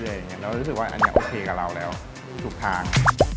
เรารู้สึกว่าอันนี้โอเคกับเราแล้วถูกทาง